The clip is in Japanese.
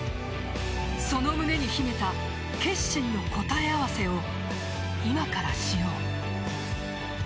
その胸に秘めた決心の答え合わせを今からしよう。